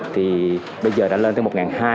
thì bây giờ đã lên tới một hai trăm linh